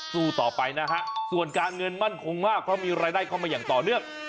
สู้ต่อไปนะฮะส่วนการเงินมั่นคงมากเพราะมีรายได้เข้ามาอย่างต่อเนื่อง